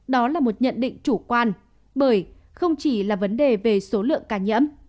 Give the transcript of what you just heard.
đó là một nhận định chủ quan bởi không chỉ là vấn đề về số lượng ca nhiễm